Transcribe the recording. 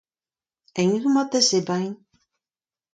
Int a zo mat da zebriñ.